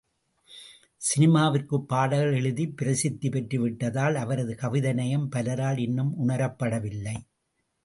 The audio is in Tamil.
சினிமாவிற்குப் பாடல்கள் எழுதி பிரசித்தி பெற்றுவிட்டதால், அவரது கவிதை நயம் பலரால் இன்னும் உணரப்படவில்லை.